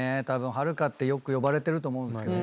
たぶんはるかってよく呼ばれてると思うんです。